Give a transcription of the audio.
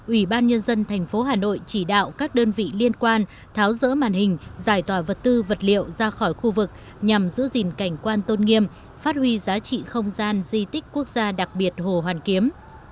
ủy ban nhân dân thành phố hà nội chỉ đạo các đơn vị liên quan tháo rỡ màn hình giải tỏa vật tư vật liệu ra khỏi khu vực nhằm giữ gìn cảnh quan tôn nghiêm phát huy giá trị không gian di tích quốc gia đặc biệt hồ hoàn kiếm